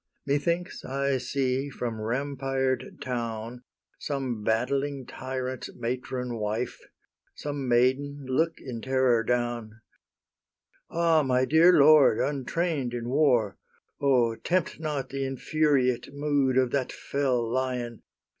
Methinks I see from rampired town Some battling tyrant's matron wife, Some maiden, look in terror down, "Ah, my dear lord, untrain'd in war! O tempt not the infuriate mood Of that fell lion!